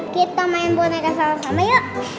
kita main boneka sama sama ya